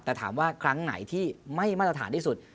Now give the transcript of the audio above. แต่ถามว่าครั้งไหนที่ไม่มาตรฐานที่สุด